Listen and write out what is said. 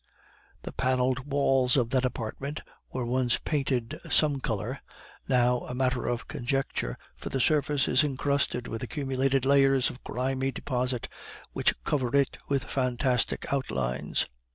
The paneled walls of that apartment were once painted some color, now a matter of conjecture, for the surface is incrusted with accumulated layers of grimy deposit, which cover it with fantastic outlines.